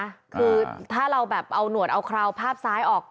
คือถ้าเราแบบเอาหนวดเอาคราวภาพซ้ายออก